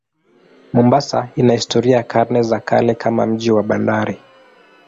Mombasa ina historia ya karne za kale kama mji wa bandari.